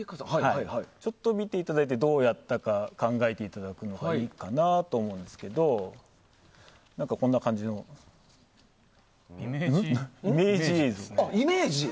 ちょっと見ていただいてどうやったか考えていただくのがいいかなと思うんですがこんな感じのイメージ図で。